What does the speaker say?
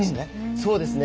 そうですね。